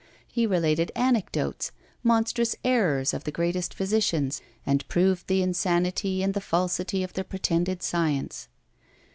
He related anecdotes, monstrous errors of the greatest physicians, and proved the insanity and the falsity of their pretended science.